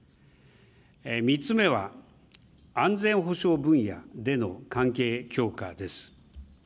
３つ目は、安全保障分野での関係強化です。